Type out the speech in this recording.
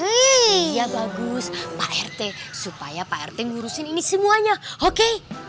iya bagus pak rt supaya pak rt ngurusin ini semuanya oke